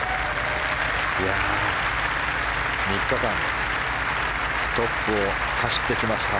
３日間トップを走ってきました。